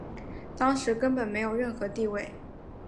当时根本没有任何地位。